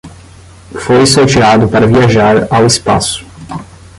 Foi sorteado para viajar ao espaço